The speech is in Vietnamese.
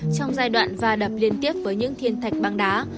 trong giai đoạn va đập liên tiếp với những thiên thạch băng đá